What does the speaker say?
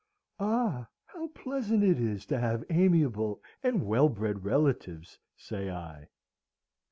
Ah, how pleasant it is to have amiable and well bred relatives, say I."